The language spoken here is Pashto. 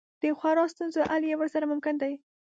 د خورا ستونزو حل یې ورسره ممکن دی.